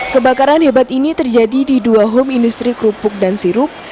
kebakaran hebat ini terjadi di dua home industri kerupuk dan sirup